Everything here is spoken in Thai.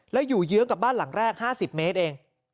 แล้วอยู่เยื้องกับบ้านหลังแรก๕๐เมตรเอง